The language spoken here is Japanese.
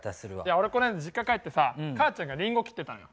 俺この間実家帰ってさ母ちゃんがりんご切ってたのよ。